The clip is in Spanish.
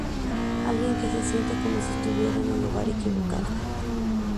Alguien que se siente como si estuviera en el lugar equivocado".